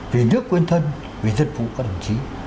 về nước quên thân về dân phủ các đồng chí